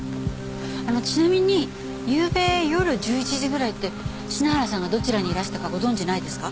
あのちなみにゆうべ夜１１時ぐらいって品原さんがどちらにいらしたかご存じないですか？